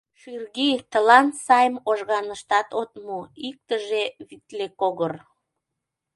Ширги, тылан сайм Ожаныштат от му, иктыже витлекогр...